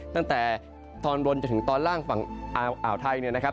ตั้งแต่ตอนบนจนถึงตอนล่างฝั่งอ่าวไทยเนี่ยนะครับ